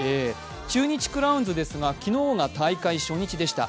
中日クラウンズですが昨日が大会初日でした。